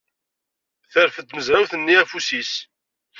Terfed tmezrawt-nni afus-is.